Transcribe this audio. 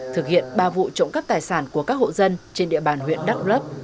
thực hiện ba vụ trộm cắp tài sản của các hộ dân trên địa bàn huyện đắk lấp